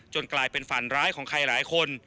กลายเป็นฝันร้ายของใครหลายคน